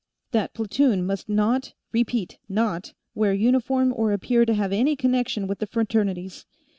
That platoon must not, repeat not, wear uniform or appear to have any connection with the Fraternities.